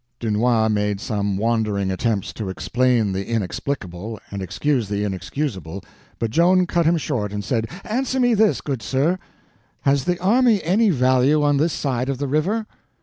Dunois made some wandering attempts to explain the inexplicable and excuse the inexcusable, but Joan cut him short and said: "Answer me this, good sir—has the army any value on this side of the river?"